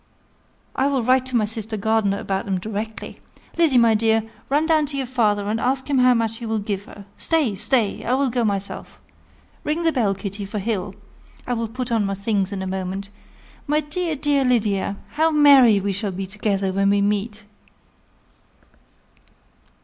I will write to my sister Gardiner about them directly. Lizzy, my dear, run down to your father, and ask him how much he will give her. Stay, stay, I will go myself. Ring the bell, Kitty, for Hill. I will put on my things in a moment. My dear, dear Lydia! How merry we shall be together when we meet!"